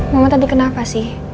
mama tadi kenapa sih